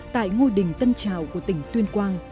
tại ngôi đình tân trào của tỉnh tuyên quang